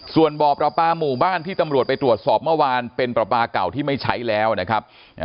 ส่วนบ่อประปาหมู่บ้านที่ตำรวจไปตรวจสอบเมื่อวานเป็นประปาเก่าที่ไม่ใช้แล้วนะครับ